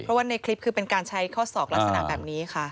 เพราะว่าในคลิปคือเป็นการใช้ข้อศอกลักษณะแบบนี้ค่ะ